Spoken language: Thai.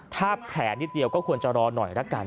ถ้าแผลนิดเดียวก็ควรจะรอหน่อยละกัน